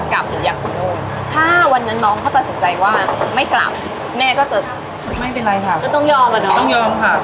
มีขอเสนออยากให้แม่หน่อยอ่อนสิทธิ์การเลี้ยงดู